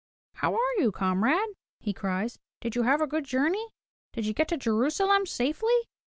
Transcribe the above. "How are you, comrade?" he cries. "Did you have a good journey? Did you get to Jerusalem safely?"